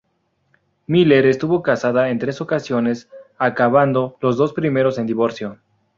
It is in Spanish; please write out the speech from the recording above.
Miller estuvo casada en tres ocasiones, acabando las dos primeras en divorcio.